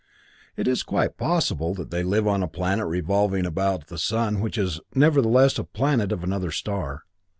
It is quite possible that they live on a planet revolving about the sun which is, nevertheless, a planet of another star.